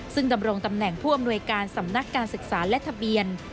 ซึ่งดำรงตำแหน่งผู้อำนวยการสำนักการศึกษาและทะเบียน